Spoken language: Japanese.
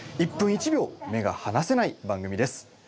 １分１秒目がはなせない番組です。